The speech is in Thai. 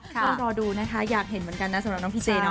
ต้องรอดูนะคะอยากเห็นเหมือนกันนะสำหรับน้องพีเจเนอ